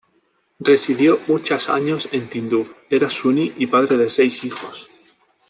Residió muchas años en Tinduf, era suní y padre de seis hijos.